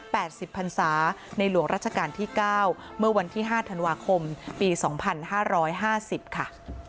สิบพันศาในหลวงราชการที่เก้าเมื่อวันที่ห้าธันวาคมปีสองพันห้าร้อยห้าสิบค่ะ